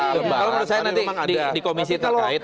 kalau menurut saya nanti dikomisi terkait